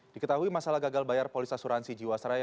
diketahui masalah gagal bayar polis asuransi jiwasraya